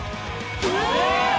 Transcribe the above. え！？